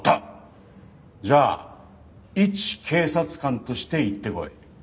じゃあいち警察官として行ってこい。